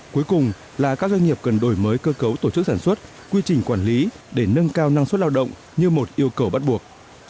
cuối cùng là các doanh nghiệp cần đổi mới cơ cấu tổ chức sản xuất quy trình quản lý để nâng cao năng suất lao động như một yêu cầu bắt buộc